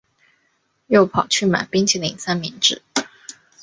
又跑去买冰淇淋三明治